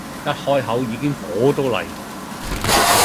一開口已經火到黎